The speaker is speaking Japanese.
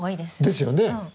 ですよね。